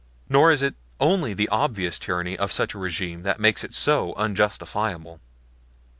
Nor is it only the obvious tyranny of such a regime that makes it so unjustifiable.